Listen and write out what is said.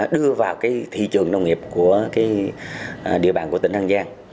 đưa vào thị trường nông nghiệp của địa bàn của tỉnh an giang